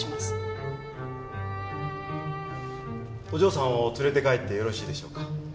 お嬢さんを連れて帰ってよろしいでしょうか？